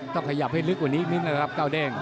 ต้องขยับให้ลึกกว่านี้อีกนิดนะครับเก้าเด้ง